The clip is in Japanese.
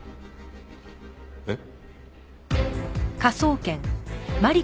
えっ？